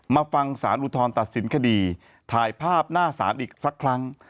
มาฟังสารอุทธรณ์ตัดสินคดีถ่ายภาพหน้าศาลอีกสักครั้ง